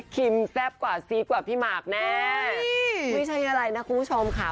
แซ่บกว่าซีกกว่าพี่หมากแน่ไม่ใช่อะไรนะคุณผู้ชมค่ะ